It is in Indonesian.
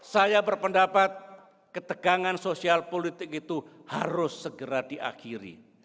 saya berpendapat ketegangan sosial politik itu harus segera diakhiri